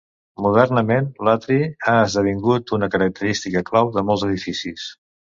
Modernament l'atri ha esdevingut una característica clau de molts edificis.